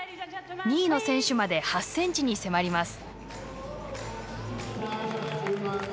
２位の選手まで８ｃｍに迫ります。